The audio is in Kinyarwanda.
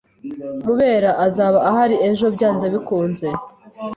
Mubera azaba ahari ejo byanze bikunze.